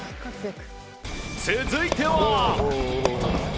続いては。